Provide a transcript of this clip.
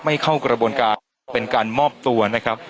เข้ากระบวนการเป็นการมอบตัวนะครับ